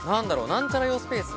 何ちゃら用スペース。